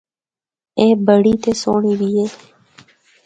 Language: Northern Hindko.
اے بڑی تے سہنڑی بھی اے۔